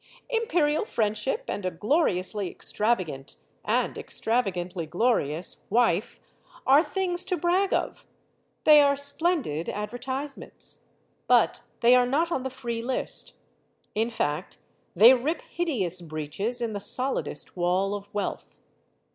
Imperial friendship and a gloriously extravagant and extravagantly glorious wife are things to brag of. They are splendid advertisements. But they are not on the free list. In fact, they rip hideous breaches in the solidest wall of wealth.